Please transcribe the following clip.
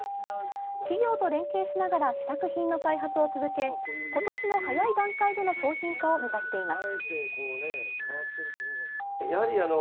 企業と連携しながら試作品の開発を続け今年の早い段階での商品化を目指しています。